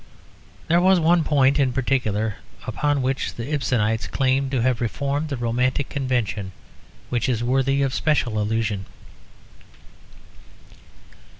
There was one point in particular upon which the Ibsenites claimed to have reformed the romantic convention which is worthy of special allusion.